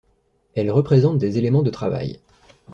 Elles représentent des éléments de travail.